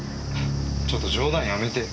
ちょっと冗談やめてよ。